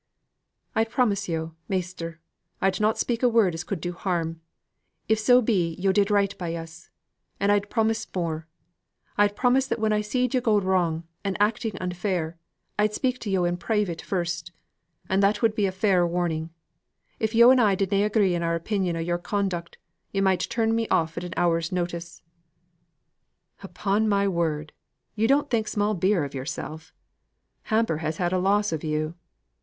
"I'd promise yo', measter, I'd not speak a word as could do harm, if so be yo' did right by us; and I'd promise more: I'd promise that when I seed yo' going wrong, and acting unfair, I'd speak to yo' in private first; and that would be a fair warning. If yo' and I did na agree in our opinion o' your conduct, yo' might turn me off at an hour's notice." "Upon my word, you don't think small beer of yourself! Hamper has had a loss of you.